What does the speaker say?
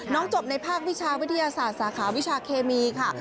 จบในภาควิชาวิทยาศาสตร์สาขาวิชาเคมีค่ะ